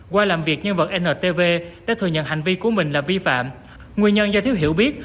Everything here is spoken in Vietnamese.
qua làm việc nhân vật ntv đã thừa nhận hành vi của mình là vi phạm nguyên nhân do thiếu hiểu biết